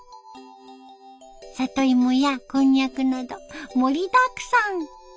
里芋やコンニャクなど盛りだくさん。